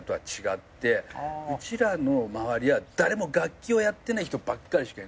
うちらの周りは誰も楽器をやってない人ばかりしかいなくて。